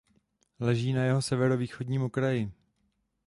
Leží na jeho severovýchodním okraji.